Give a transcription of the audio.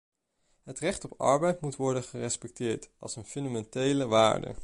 Het recht op arbeid moet worden gerespecteerd als een fundamentele waarde.